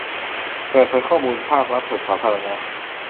เปิดเผยข้อมูลภาครัฐสู่สาธารณะ